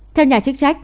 theo nhà chức trách